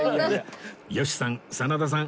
吉さん真田さん